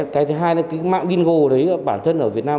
cái thứ hai là cái mạng bingo đấy bản thân ở việt nam